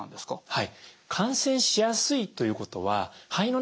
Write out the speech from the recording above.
はい。